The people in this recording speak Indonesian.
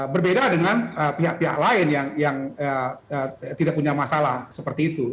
berbeda dengan pihak pihak lain yang tidak punya masalah seperti itu